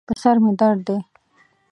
په سر مې درد دی